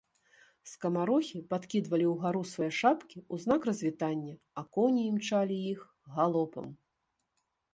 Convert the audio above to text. Скамарохі падкідвалі ўгару свае шапкі ў знак развітання, а коні імчалі іх галопам.